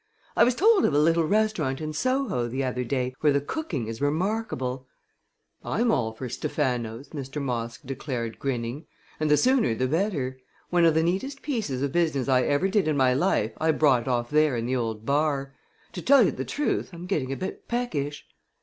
I was told of a little restaurant in Soho the other day, where the cooking is remarkable." "I'm all for Stephano's," Mr. Moss declared, grinning; "and the sooner the better. One of the neatest pieces of business I ever did in my life I brought off there in the old bar. To tell you the truth, I'm getting a bit peckish."